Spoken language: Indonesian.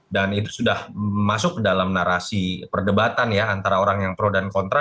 dan itu sudah masuk dalam narasi perdebatan ya antara orang yang pro dan kontra